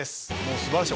素晴らしい。